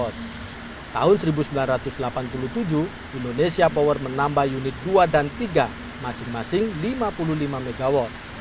tahun seribu sembilan ratus delapan puluh tujuh indonesia power menambah unit dua dan tiga masing masing lima puluh lima mw